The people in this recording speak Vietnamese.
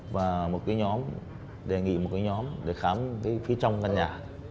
và một cái nhóm đề nghị một cái nhóm để khám cái phía trong căn nhà